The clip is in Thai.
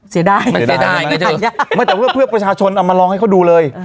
เสียดายแต่พ่อประชาชนเอามาลองให้เค้าดูเลย